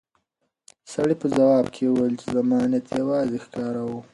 سړي په ځواب کې وویل چې زما نیت یوازې ښکار و.